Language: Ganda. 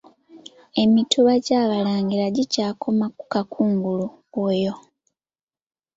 Emituba gy'Abalangira gikyakoma ku Kakungulu oyo.